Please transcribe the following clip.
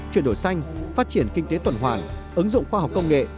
chuyển đổi xanh phát triển kinh tế tuần hoàn ứng dụng khoa học công nghệ